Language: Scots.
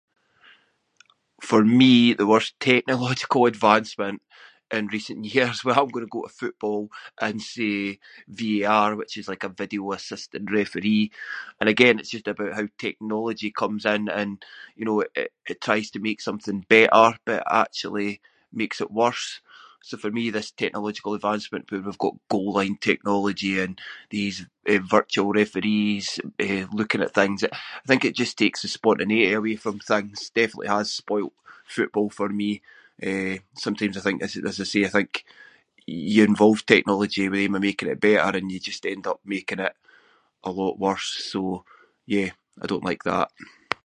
For me, the worst technological advancement in recent years- well, I’m gonna go to football and say VAR which is like a video assistant referee. And again it’s just about how technology comes in and, you know, it- it tries to make something better but actually makes it worse, so for me this technological advancement where we’ve got goaling technology, these, eh, virtual referees, eh, looking at things- I think it just takes the spontaneity away from things. Definitely has spoilt football for me. Eh, sometimes I think as I- as I say- I think you involve technology with the aim of making it better and you just end up making it a lot worse. So, yeah, I don’t like that.